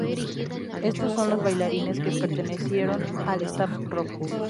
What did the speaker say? Estos son los bailarines que pertenecieron al Staff Rojo